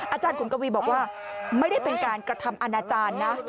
อาจารย์ขุนกวีบอกว่าไม่ได้เป็นการกระทำอาณาจารย์นะ